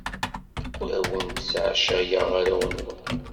Ur awen-sɛacayeɣ arraw-nwen.